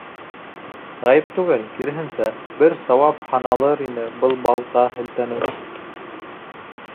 Ғәйеп түгел, киреһенсә, бер сауап һаналыр ине был балта һелтәнеү.